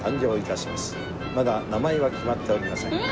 まだ名前は決まっておりません。